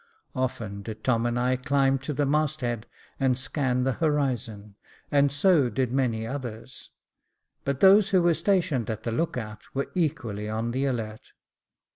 Often did Tom and I climb to the masthead and scan the horizon, and so did many others : but those who were stationed at the look out were equally on the alert.